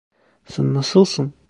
Sen nasılsın?